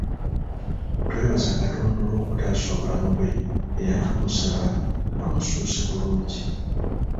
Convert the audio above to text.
Twebaza Katonda olw’okutaasa obulamu bwe era tumusaba amussuuse mangu.